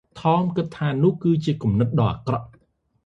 ថម គិតថា នោះគឺជាគំនិតដ៏អាក្រក់ ។